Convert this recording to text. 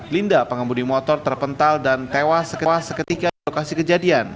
linda pengembudi motor terpental dan tewas seketika di lokasi kejadian